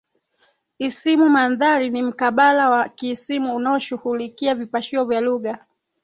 Isimu Mandhari ni mkabala wa kiisimu unaoshughulikia vipashio vya lugha